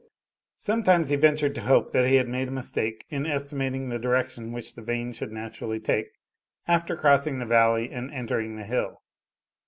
Sometimes he ventured to hope that he had made a mistake in estimating the direction which the vein should naturally take after crossing the valley and entering the hill.